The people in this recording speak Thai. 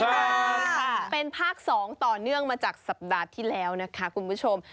ค่ะเป็นภาค๒ต่อเนื่องมาจากสัปดาห์ที่แล้วนะคะคุณผู้ชม